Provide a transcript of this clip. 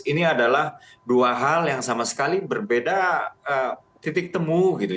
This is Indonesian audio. ini adalah dua hal yang sama sekali berbeda titik temu gitu